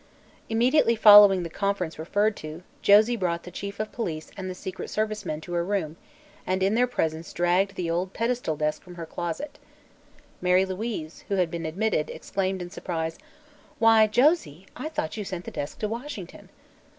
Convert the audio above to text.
Immediately following the conference referred to, Josie brought the Chief of Police and the secret service men to her room and in their presence dragged the old pedestal desk from her closet. Mary Louise, who had been admitted, exclaimed in surprise: "Why, Josie! I thought you sent the desk to Washington."